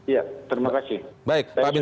ya terima kasih